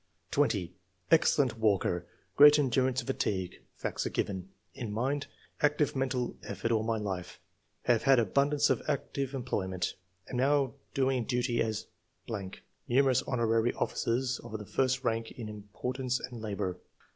20. "Excellent walker; great endurance of fatigue [facts are given.] In mind — ^Active mental effort all my life ; have had abundance of active employment ; am now doing duty as .... [numerous honorary offices of the first rank in importance and labour.